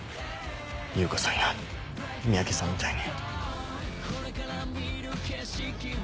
悠香さんや三宅さんみたいに。